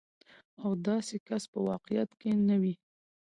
او داسې کس په واقعيت کې نه وي.